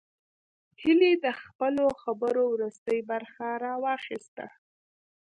هيلې د خپلو خبرو وروستۍ برخه راواخيسته